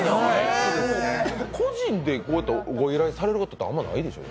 個人でご依頼されることってあんまりないでしょ？